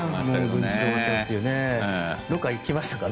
どこか行きましたか？